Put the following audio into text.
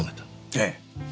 ええ。